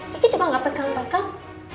kiki juga gak pegang pegang